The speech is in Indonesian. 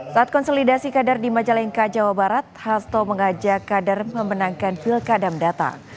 saat konsolidasi kader di majalengka jawa barat hasto mengajak kader memenangkan pilkada mendatang